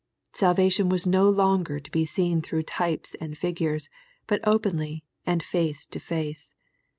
Salvation was no longer to be seen through types and figures, but openly, and face to face.